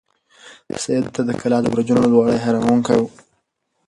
سعید ته د کلا د برجونو لوړوالی حیرانونکی و.